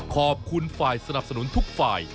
ขอบคุณฝ่ายสนับสนุนทุกฝ่าย